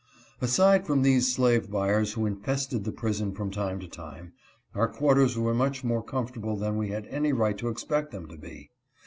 Aside from these slave buyers who infested the prison from time to time, our quarters were much more com fortable than we had any right to expect them to be.